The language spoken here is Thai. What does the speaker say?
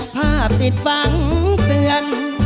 ภาพติดฝังเตือน